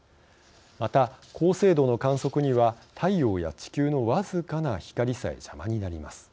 また高精度の観測には太陽や地球の僅かな光さえ邪魔になります。